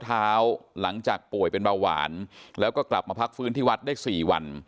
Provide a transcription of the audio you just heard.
หลังจากป่วยเป็นเบาหวานแล้วก็กลับมาพักฟื้นที่วัดได้๔วัน